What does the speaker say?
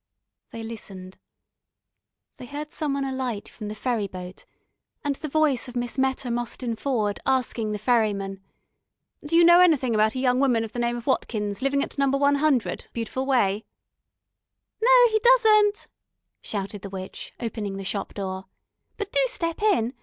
They listened. They heard someone alight from the ferry boat, and the voice of Miss Meta Mostyn Ford asking the ferryman: "Do you know anything about a young woman of the name of Watkins, living at Number 100 Beautiful Way " "No, he doesn't," shouted the witch, opening the shop door. "But do step in.